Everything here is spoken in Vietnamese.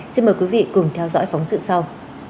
xin mời quý vị cùng theo dõi phóng sự sau